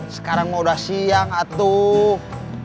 sekarang mau udah siang atup